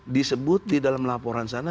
disebut di dalam laporan sana